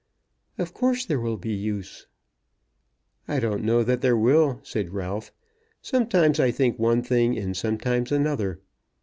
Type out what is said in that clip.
"Of course there will be use." "I don't know that there will," said Ralph. "Sometimes I think one thing, and sometimes another.